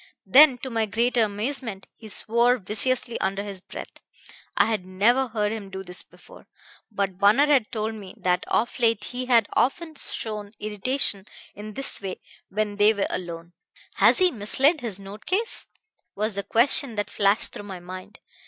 Then, to my greater amazement, he swore viciously under his breath. I had never heard him do this before; but Bunner had told me that of late he had often shown irritation in this way when they were alone. 'Has he mislaid his note case?' was the question that flashed through my mind.